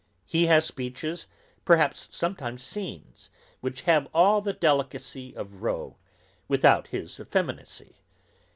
He has speeches, perhaps sometimes scenes, which have all the delicacy of Rowe, without his effeminacy.